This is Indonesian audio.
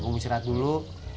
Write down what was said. mau istirahat dulu